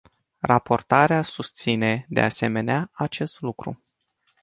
Raportoarea susține, de asemenea, acest lucru.